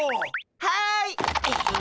はい！